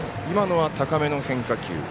今のは、高めの変化球。